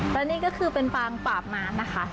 และนี่ก็คือเป็นปางปาบมารนะคะ